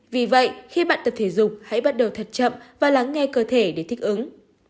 vì vậy khi bạn tập thể dục hãy bắt đầu thật chậm và lắng nghe cơ thể để thích ứng